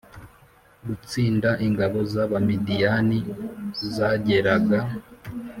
Gutsinda ingabo z abamidiyani zageraga